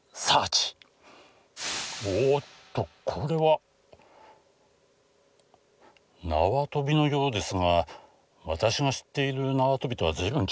おおっとこれは縄跳びのようですが私が知っている縄跳びとは随分違いますね。